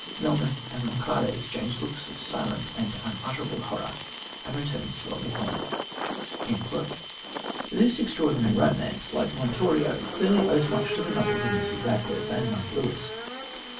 "Melmoth and Monçada exchanged looks of silent and unutterable horror, and returned slowly home." This extraordinary romance, like Montorio, clearly owes much to the novels of Mrs. Radcliffe, and "Monk" Lewis.